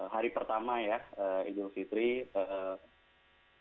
hari pertama ya idul fitri